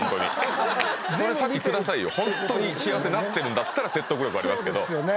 ホントに幸せになってるんだったら説得力ありますけど。